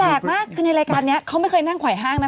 มากคือในรายการนี้เขาไม่เคยนั่งไขว้ห้างนะ